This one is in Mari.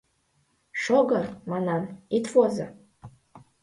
— Шого, манам, ит возо!